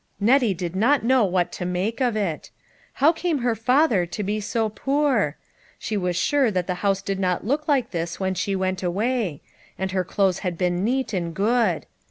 Nettie did not know what to make of it. How came her father to be so poor? She was sure that the house did not look like this when she went away ; and her clothes had been neat and good.